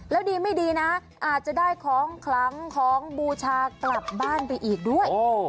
แล้วดีไม่ดีนะอาจจะได้ของคลังของบูชากลับบ้านไปอีกด้วย